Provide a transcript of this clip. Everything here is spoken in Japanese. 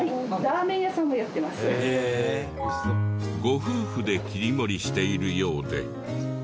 ご夫婦で切り盛りしているようで。